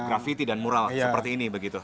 grafiti dan mural seperti ini